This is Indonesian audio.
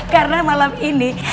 karena malam ini